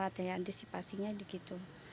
atau antisipasinya gitu